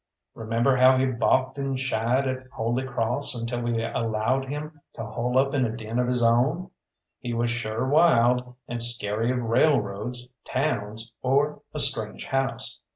Remember how he balked and shied at Holy Cross until we allowed him to hole up in a den of his own. He was sure wild and scary of railroads, towns, or a strange house.